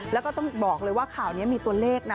แล้วก็ต้องบอกเลยว่าข่าวนี้มีตัวเลขนะ